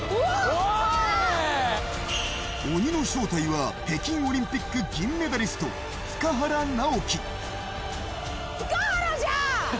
鬼の正体は北京オリンピック銀メダリスト、塚原直貴。